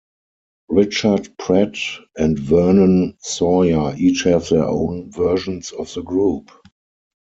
Richard Pratt and Vernon Sawyer each have their own versions of the group.